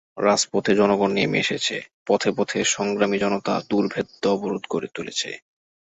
রাজপথে জনগণ নেমে এসেছে, পথে পথে সংগ্রামী জনতা দুর্ভেদ্য অবরোধ গড়ে তুলেছে।